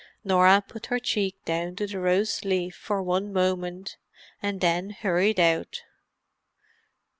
Norah put her cheek down to the rose leaf one for a moment, and then hurried out.